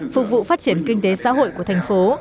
phục vụ phát triển kinh tế xã hội của thành phố